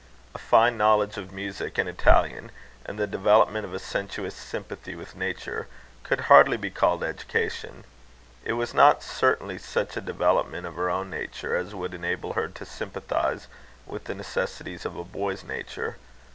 A fine knowledge of music and Italian, and the development of a sensuous sympathy with nature, could hardly be called education. It was not certainly such a development of her own nature as would enable her to sympathise with the necessities of a boy's nature.